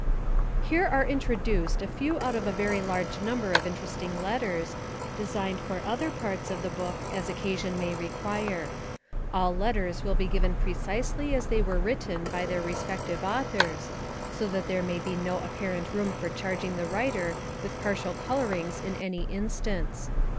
Here are introduced a few out of a very large number of interesting letters, designed for other parts of the book as occasion may require. All letters will be given precisely as they were written by their respective authors, so that there may be no apparent room for charging the writer with partial colorings in any instance.